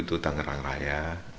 itu tangerang raya